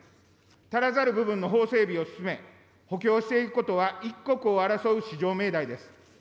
足らざる部分の法整備を進め、補強していくことは一刻を争う至上命題です。